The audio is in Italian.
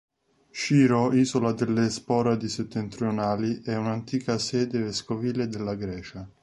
Sciro, isola delle Sporadi settentrionali, è un'antica sede vescovile della Grecia.